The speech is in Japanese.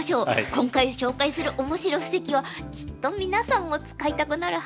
今回紹介するオモシロ布石はきっと皆さんも使いたくなるはずですよ。